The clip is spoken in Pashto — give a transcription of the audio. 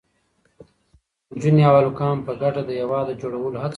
نجونې او هلکان په ګډه د هېواد د جوړولو هڅه کوي.